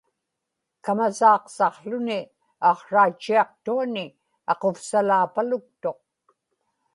kamasaaqsaqłuni aqsraatchiaqtuani aquvsalaapaluktuq